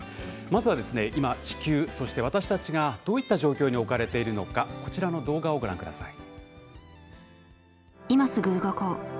まずは今、地球そして私たちがどういった状況に置かれているのか動画をご覧ください。